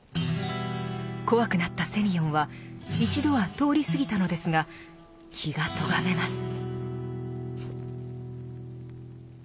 怖くなったセミヨンは一度は通り過ぎたのですが気がとがめます。